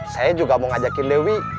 saya juga mau ngajakin dewi